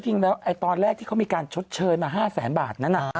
จริงแล้วตอนแรกที่เขามีการชดเชยมา๕แสนบาทนั้น